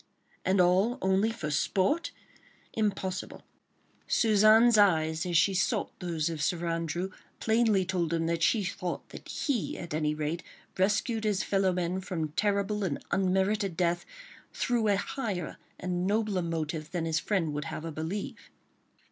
And all only for sport? Impossible! Suzanne's eyes as she sought those of Sir Andrew plainly told him that she thought that he at any rate rescued his fellow men from terrible and unmerited death, through a higher and nobler motive than his friend would have her believe.